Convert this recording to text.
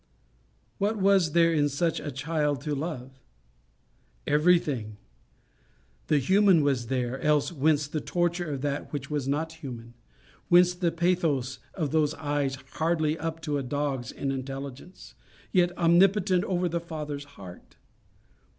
What was there in such a child to love? Everything: the human was there, else whence the torture of that which was not human? whence the pathos of those eyes, hardly up to the dog's in intelligence, yet omnipotent over the father's heart?